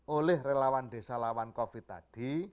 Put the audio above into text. oleh relawan desa lawan covid tadi